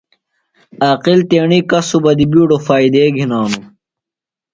عاقل تیݨی کسُبہ دی بِیڈو فائدے گِھناُوۡ۔